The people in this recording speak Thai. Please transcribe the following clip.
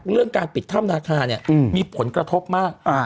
เรื่องการปิดถ้ำนาคาเนี่ยมีผลกระทบมาก